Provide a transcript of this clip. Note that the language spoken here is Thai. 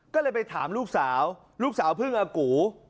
ก็เลยไปถามลูกสาวลูกสาวพึ่งอากู